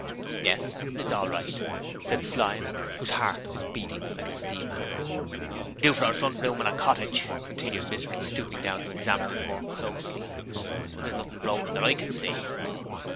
'Yes; it's all right,' said Slyme, whose heart was beating like a steam hammer. 'Do for a front room in a cottage,' continued Misery, stooping down to examine it more closely. 'There's nothing broke that I can see.'